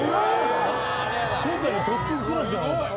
今回のトップクラスじゃない。